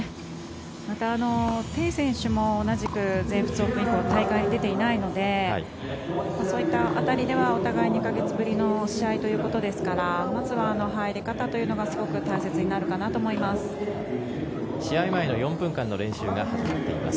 また、テイ選手も同じく全仏オープン以降大会に出ていないのでそういった辺りではお互い、２か月ぶりの試合ということですからまずは入り方というのがすごく大切になるかなと思います。